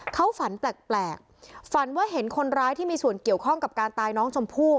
เขาฝันแปลกฝันว่าเห็นคนร้ายที่มีส่วนเกี่ยวข้องกับการตายน้องชมพู่